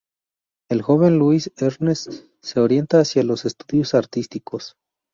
El joven Louis-Ernest se orienta hacia los estudios artísticos.